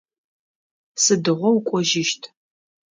Сыдыгъо укӏожьыщт?